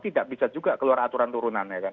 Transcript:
tidak bisa juga keluar aturan turunan ya kan